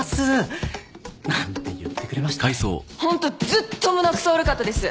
ずっと胸くそ悪かったです